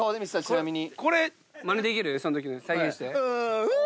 ちなみに。